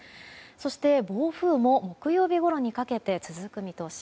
そして暴風も木曜日ごろにかけて続く見通し。